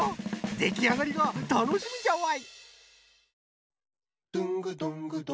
できあがりがたのしみじゃわい。